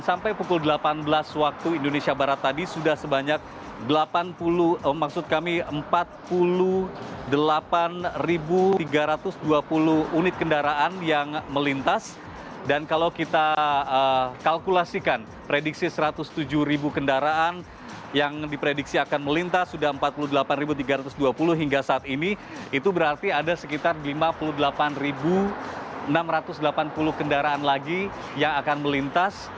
sampai pukul delapan belas waktu indonesia barat tadi sudah sebanyak empat puluh delapan tiga ratus dua puluh unit kendaraan yang melintas dan kalau kita kalkulasikan prediksi satu ratus tujuh ribu kendaraan yang diprediksi akan melintas sudah empat puluh delapan tiga ratus dua puluh hingga saat ini itu berarti ada sekitar lima puluh delapan enam ratus delapan puluh kendaraan lagi yang akan melintas